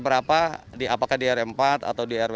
kenapa apakah di rw empat atau di rw lima belas